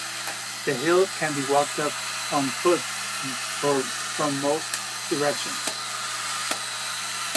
The hill can be walked up on foot from most directions.